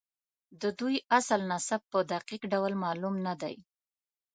د دوی اصل نسب په دقیق ډول معلوم نه دی.